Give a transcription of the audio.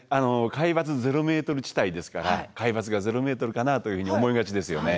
海抜ゼロメートル地帯ですから海抜がゼロメートルかなというふうに思いがちですよね。